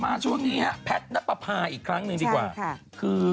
อ้าวอีกครั้งกลับมาพลัท้และปลาปา